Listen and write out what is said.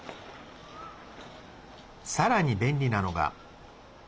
さらに、便利なのが。